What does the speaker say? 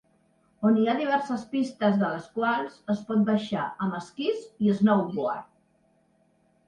On hi ha diverses pistes de les quals es pot baixar amb esquís i snowboard.